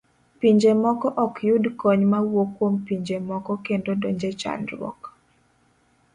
Pinje moko ok yud kony mawuok kuom pinje moko kendo donje chandruok.